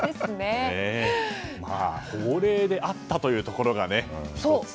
法令であったということがね。